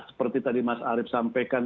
seperti tadi mas arief sampaikan